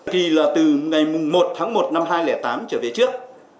thì là từ ngày một tháng một năm hai nghìn tám trở về trước